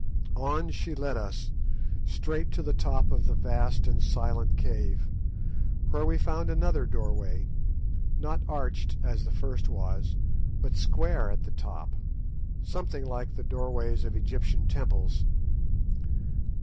On she led us, straight to the top of the vast and silent cave, where we found another doorway, not arched as the first was, but square at the top, something like the doorways of Egyptian temples.